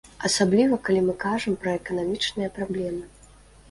Асабліва калі мы кажам пра эканамічныя праблемы.